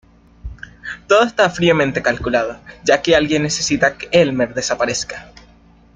Todo está fríamente calculado, ya que alguien necesita que Elmer desaparezca.